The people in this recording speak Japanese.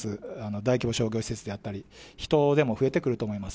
大規模商業施設であったり、人出も増えてくると思います。